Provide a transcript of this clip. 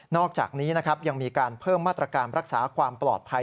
อกจากนี้นะครับยังมีการเพิ่มมาตรการรักษาความปลอดภัย